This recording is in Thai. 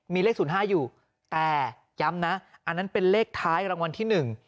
มีเลข๐๕อยู่แต่ย้ำนะอันนั้นเป็นเลขท้ายรางวัลที่หนึ่ง